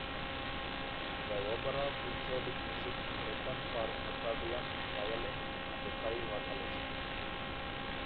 The opera featured music written for accordion, violin and five vocalists.